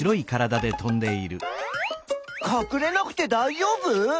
かくれなくてだいじょうぶ？